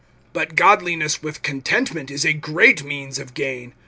(6)But godliness with contentment is a great means of gain.